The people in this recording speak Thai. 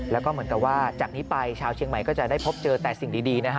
แล้วก็เหมือนกับว่าจากนี้ไปชาวเชียงใหม่ก็จะได้พบเจอแต่สิ่งดีนะฮะ